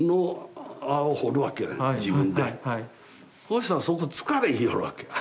そしたらそこ「つかれ」言いよるわけや。